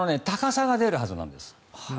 高さが出るはずなんです。